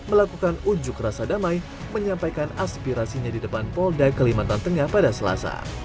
melakukan unjuk rasa damai menyampaikan aspirasinya di depan polda kalimantan tengah pada selasa